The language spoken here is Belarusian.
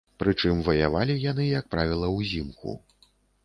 Прычым, ваявалі яны, як правіла, узімку.